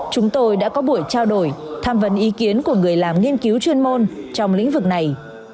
chúng tôi đã có buổi trao đổi tham vấn ý kiến của người làm nghiên cứu chuyên môn trong lĩnh vực này